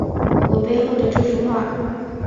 我背后的这幅画